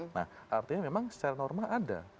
nah artinya memang secara norma ada